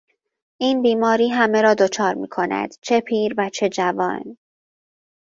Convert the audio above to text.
این بیماری همه را دچار میکند چه پیر و چه جوان.